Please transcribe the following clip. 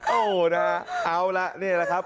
โอ้โหนะฮะเอาละนี่แหละครับ